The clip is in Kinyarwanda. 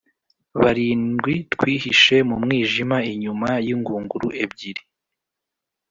barindwi twihishe mu mwijima inyuma y ingunguru ebyiri